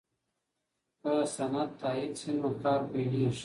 که سند تایید شي نو کار پیلیږي.